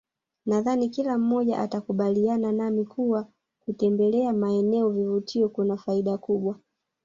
Nadhani kila mmoja atakubaliana nami kuwa kutembelea maeneo ya vivutio kuna faida kubwa